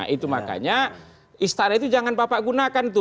itu makanya istana itu jangan bapak gunakan tuh